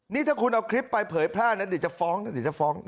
นี่ถ้าคุณเอาคลิปไปเผยแพร่นะดิจะฟ้องดิจะฟ้อง